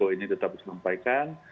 ini tetap disampaikan